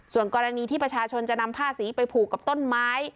ส่วนกรณีที่ประชาชนจะนำผ้าสีไปผูกกับต้นไม้